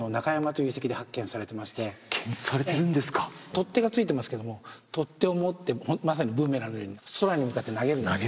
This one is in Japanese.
取っ手が付いてますけども取っ手を持ってまさにブーメランのように空に向かって投げるんですね